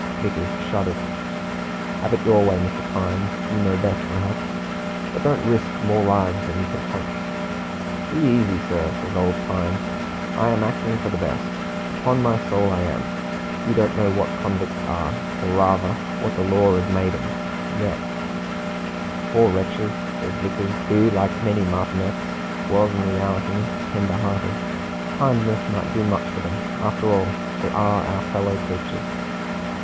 Vickers shuddered. "Have it your way, Mr. Pine; you know best perhaps. But don't risk more lives than you can help." "Be easy, sir," says old Pine; "I am acting for the best; upon my soul I am. You don't know what convicts are, or rather what the law has made 'em yet " "Poor wretches!" says Vickers, who, like many martinets, was in reality tender hearted. "Kindness might do much for them. After all, they are our fellow creatures."